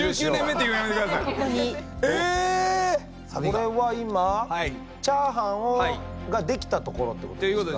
これは今チャーハンができたところってことですかね。